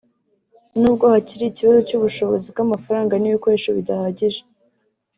nubwo hakiri ikibazo cy’ubushobozi bw’amafaranga n’ibikoresho bidahagije